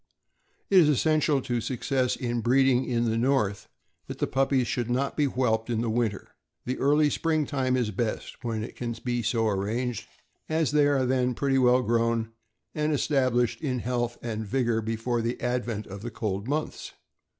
It is essential to success in breeding, in the North, that puppies should not be whelped in winter. The early spring time is best, when it can be so arranged, as they are THE MEXICAN HAIRLESS DOG. 651 then pretty well grown and established in health and vigor before the advent of the cold months.